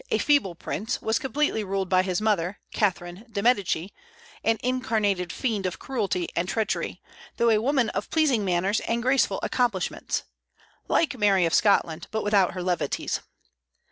a feeble prince, was completely ruled by his mother, Catherine de Médicis, an incarnated fiend of cruelty and treachery, though a woman of pleasing manners and graceful accomplishments, like Mary of Scotland, but without her levities.